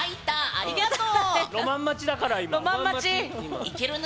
ありがとう！